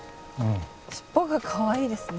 尻尾がかわいいですね。